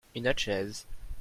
Une autre chaise.